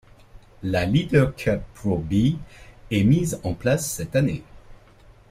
La Leaders Cup Pro B est mise en place cette année.